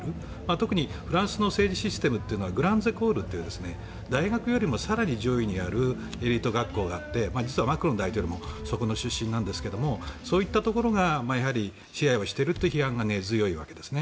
特に、フランスの政治システムは大学よりも更に上位にあるエリート学校があって実はマクロン大統領もそこの出身ですがそういったところが支配をしているという批判が根強いわけですね。